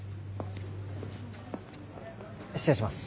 失礼します。